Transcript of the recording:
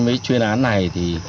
với chuyên án này thì